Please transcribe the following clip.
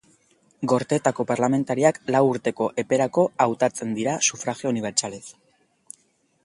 Gorteetako parlamentariak lau urteko eperako hautatzen dira sufragio unibertsalez.